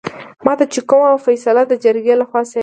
ماته چې کومه فيصله دجرګې لخوا شوې